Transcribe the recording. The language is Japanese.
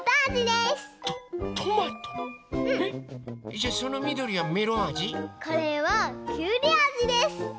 じゃあそのみどりはメロンあじ？これはきゅうりあじです！